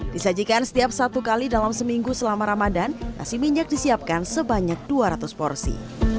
disajikan setiap satu kali dalam seminggu selama ramadan nasi minyak disiapkan sebanyak dua ratus porsi